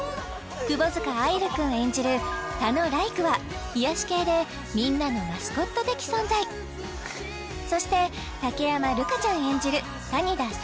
窪塚愛流君演じる田野来玖は癒やし系でみんなのマスコット的存在そして武山瑠香ちゃん演じる谷田紗